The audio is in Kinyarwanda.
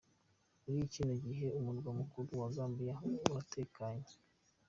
Muri kino gihe umurwa mulkuru wa Gambia uratekanye.